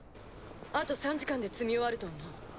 あと３時間で積み終わると思う。